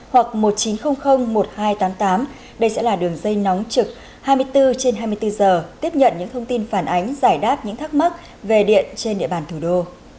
hoặc một nghìn chín trăm linh một nghìn hai trăm tám mươi tám đây sẽ là đường dây nóng trực hai mươi bốn trên hai mươi bốn giờ tiếp nhận những thông tin phản ánh giải đáp những thắc mắc về điện trên địa bàn thủ đô